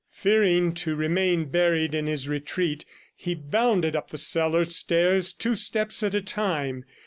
Fearing to remain buried in his retreat, he bounded up the cellar stairs two steps at a time.